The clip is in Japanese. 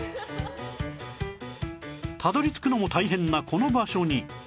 たどり着くのも大変なこの場所に